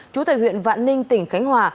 chú thầy huyện vạn ninh tỉnh khánh hòa